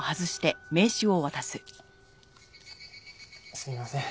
すみません。